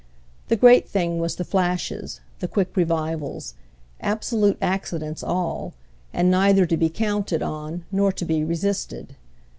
The great thing was the flashes, the quick revivals, absolute accidents all, and neither to be counted on nor to be resisted.